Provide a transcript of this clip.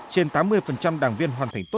trên tám mươi đảng viên hoàn thành tốt nhỏ